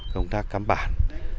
công tác cám bản